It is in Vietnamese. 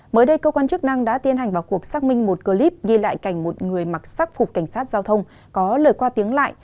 mới đây cơ quan chức năng đã tiến hành vào cuộc xác minh một clip ghi lại cảnh một người mặc sắc phục cảnh sát giao thông có lời qua tiếng lại